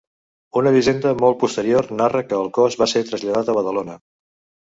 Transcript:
Una llegenda molt posterior narra que el cos va ser traslladat a Badalona.